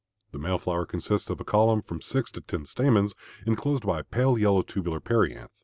The male flower consists of a column of from six to ten stamens enclosed by a pale yellow tubular perianth.